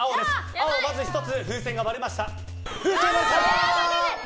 青１つ風船が割れました。